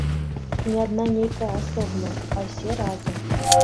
Не адна нейкая асобная, а ўсе разам.